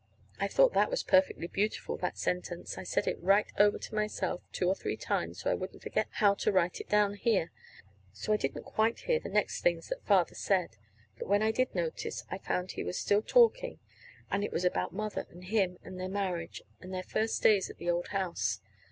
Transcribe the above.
I thought that was perfectly beautiful that sentence. I said it right over to myself two or three times so I wouldn't forget how to write it down here. So I didn't quite hear the next things that Father said. But when I did notice, I found he was still talking and it was about Mother, and him, and their marriage, and their first days at the old house.